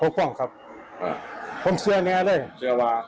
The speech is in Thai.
ปกป้องครับฮะผมเชื่อเนี้ยเลยเชื่อว่า